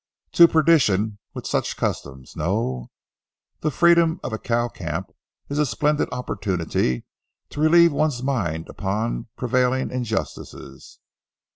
"To perdition with such customs, no?" The freedom of a cow camp is a splendid opportunity to relieve one's mind upon prevailing injustices.